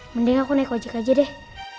mending aku naik ojek aja deh